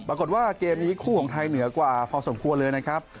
ปรากฏว่าเกมนี้คู่ของไทยเหนือกว่าพอสมควรเลยนะครับ